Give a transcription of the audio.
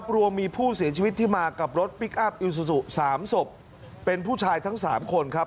รวมมีผู้เสียชีวิตที่มากับรถพลิกอัพอิวซูซู๓ศพเป็นผู้ชายทั้ง๓คนครับ